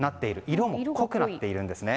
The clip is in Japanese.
色も濃くなっているんですね。